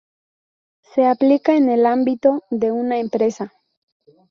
Se aplica en el ámbito de una empresa.